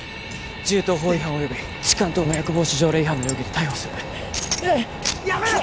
銃刀法違反および痴漢等迷惑防止条例違反の容疑で逮捕するうっやめろ！